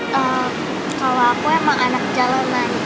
kalau aku emang anak jalanan